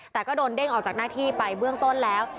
แต่ก็โดนเด้งออกจากหน้าที่ไปเบื้องต้นแล้ว